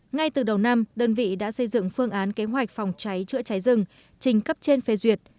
ngay từ đầu năm đơn vị đã xây dựng phương án kế hoạch phòng cháy chữa cháy rừng trình cấp trên phê duyệt